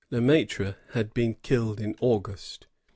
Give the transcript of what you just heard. Le Mattre had been killed in Aug^t.